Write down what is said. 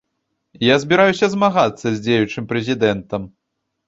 Я збіраюся змагацца з дзеючым прэзідэнтам.